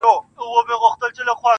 ځوان له ډيري ژړا وروسته څخه ريږدي.